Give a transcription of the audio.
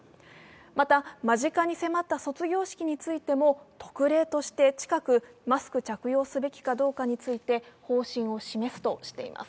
また、間近に迫った卒業式についても特例として近く、マスク着用すべきかどうかについて方針を示すとしています。